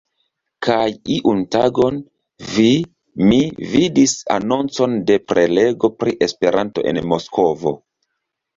Kaj iun tagon vi mi vidis anoncon de prelego pri Esperanto en Moskvo.